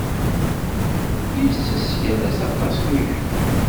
Isess yal ass aṭas n uyefki.